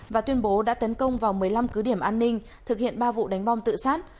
và tuyên bố đã tấn công vào một mươi năm cứ điểm an ninh thực hiện ba vụ đánh bom tự sát